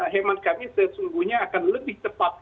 hemat kami sesungguhnya akan lebih tepat